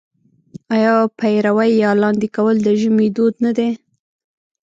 آیا پېروی یا لاندی کول د ژمي دود نه دی؟